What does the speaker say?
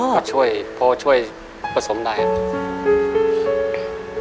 ก็ช่วยพอช่วยผสมได้ครับ